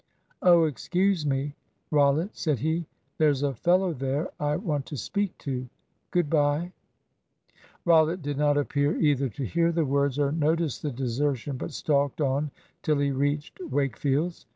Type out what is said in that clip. "Oh, excuse me, Rollitt," said he, "there's a fellow there I want to speak to. Good bye." Rollitt did not appear either to hear the words or notice the desertion, but stalked on till he reached Wakefields'.